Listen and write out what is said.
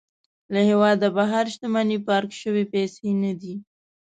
له هېواده بهر شتمني پارک شوې پيسې نه دي.